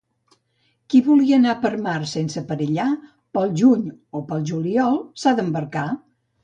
Qui vulgui anar per mar sense perillar pel juny o pel juliol s'ha d'embarcar.